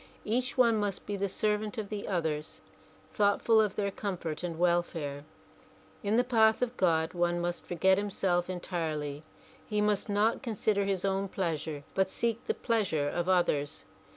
Each one must be the servant of the others, thoughtful of their comfort and welfare. In the path of God one must forget himself entirely. He must not consider his own pleasure but seek the pleas ure of others.